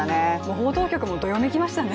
報道局もどよめきましたね。